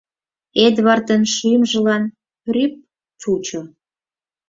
Эдвардын шӱмжылан “рӱп” чучо.